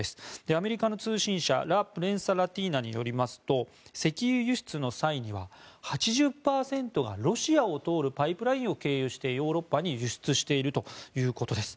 アメリカの通信社ラ・プレンサ・ラティーナによりますと石油輸出の際には８０％がロシアを通るパイプラインを経由してヨーロッパに輸出しているということです。